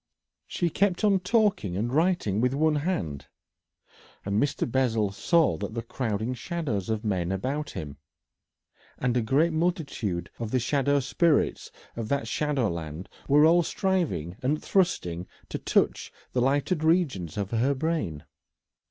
She kept on talking and writing with one hand. And Mr. Bessel saw that the crowding shadows of men about him, and a great multitude of the shadow spirits of that shadowland, were all striving and thrusting to touch the lighted regions of her brain.